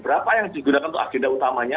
berapa yang digunakan untuk agenda utamanya